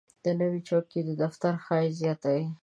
نوې چوکۍ د دفتر ښایست زیاتوي